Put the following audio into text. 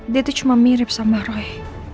dia tuh cuma mirip sama roy